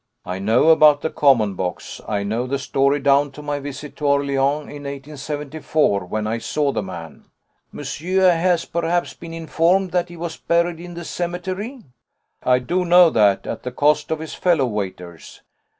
"I know about the common box. I know the story down to my visit to Orléans in 1874, when I saw the man." "Monsieur has perhaps been informed that he was buried in the cemetery?" "I do know that, at the cost of his fellow waiters."